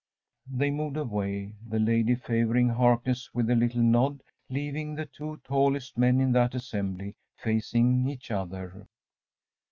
‚ÄĚ They moved away, the lady favouring Harkness with a little nod, leaving the two tallest men in that assembly facing each other.